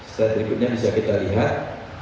slide berikutnya bisa kita lihat